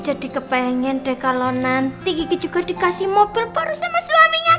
jadi ke pengen deh kalau nanti juga dikasih mobil baru sama suaminya